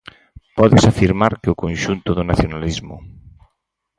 Pódese afirmar que o conxunto do nacionalismo.